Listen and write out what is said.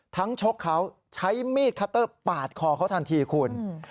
ชกเขาใช้มีดคัตเตอร์ปาดคอเขาทันทีคุณ